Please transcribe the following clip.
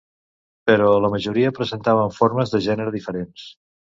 Però la majoria presentaven formes de gènere diferents.